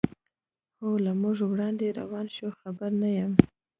هو، له موږ وړاندې روان شوي، خبر نه یم.